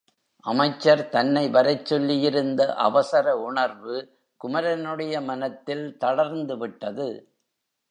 அமைச்சர் தன்னை வரச்சொல்லியிருந்த அவசர உணர்வு குமரனுடைய மனத்தில் தளர்ந்துவிட்டது.